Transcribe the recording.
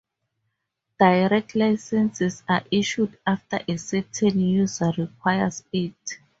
"Direct Licenses" are issued after a certain user requires it.